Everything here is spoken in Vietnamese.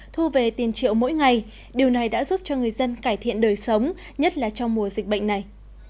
thu về tiền triệu mỗi ngày điều này đã giúp cho người dân cải thiện đời sống nhất là trong mùa dịch bệnh này